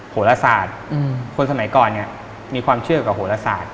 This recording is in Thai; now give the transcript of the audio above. โหลศาสตร์คนสมัยก่อนเนี่ยมีความเชื่อกับโหลศาสตร์